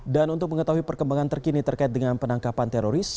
dan untuk mengetahui perkembangan terkini terkait dengan penangkapan teroris